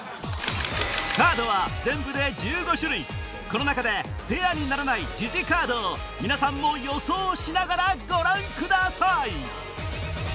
カードは全部で１５種類この中でペアにならないジジカードを皆さんも予想しながらご覧ください